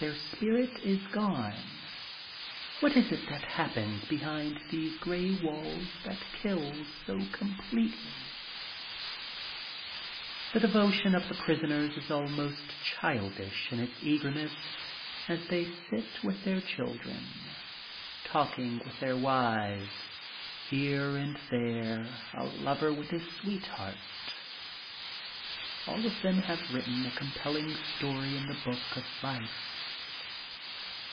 Their spirit is gone. What is it that happens behind these gray walls that kills so com pletely ? The devotion of the prisoners is almost childish in its eagerness as they sit with their children, talking with their wives, here and there a lover with his sweetheart — all of them have written a compelling story in the book of life.